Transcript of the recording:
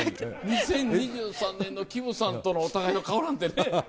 ２０２３年のキムさんとのお互いの顔なんてね